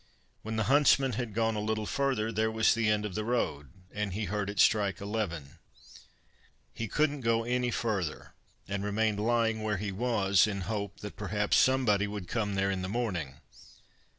When the huntsman had gone a little further, there was the end of the road, and he heard it strike eleven. He couldn't go any further, and remained lying where he was in hope that perhaps somebody would come there in the morning.